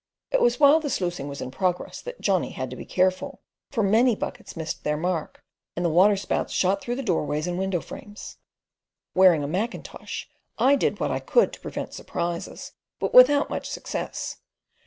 It was while the sluicing was in progress that Johnny had to be careful; for many buckets missed their mark, and the waterspouts shot out through the doorways and window frames. Wearing a mackintosh, I did what I could to prevent surprises, but without much success.